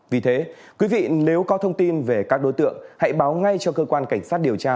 vì thế quý vị nếu có thông tin về các đối tượng hãy báo ngay cho cơ quan cảnh sát điều tra